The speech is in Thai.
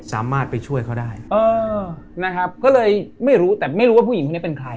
สามารถไปช่วยเขาได้เออนะครับก็เลยไม่รู้แต่ไม่รู้ว่าผู้หญิงคนนี้เป็นใคร